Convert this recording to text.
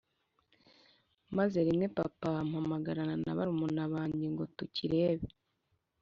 maze rimwe papa ampamagarana na barumuna bange ngo tukirebe